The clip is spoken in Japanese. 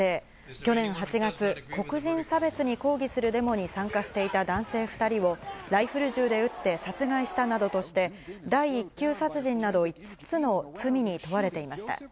去年８月、黒人差別に抗議するデモに参加していた男性２人を、ライフル銃で撃って殺害したなどとして、第１級殺人など５つの罪に問われていました。